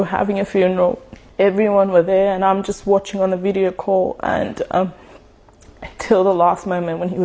saya tidak ingin ada yang melihatnya